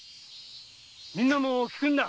みんなも聞くんだ！